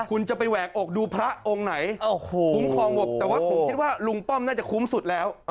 คุณจะไปแหวกอกดูพระองค์ไหนคุ้มครองหมดแต่ว่าผมคิดว่าลุงป้อมน่าจะคุ้มสุดแล้ว